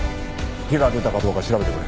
火が出たかどうか調べてくれ。